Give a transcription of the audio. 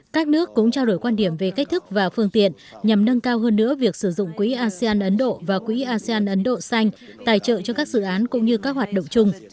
các nước cũng trao đổi quan điểm về cách thức và phương tiện nhằm nâng cao hơn nữa việc sử dụng quỹ asean ấn độ và quỹ asean ấn độ xanh tài trợ cho các dự án cũng như các hoạt động chung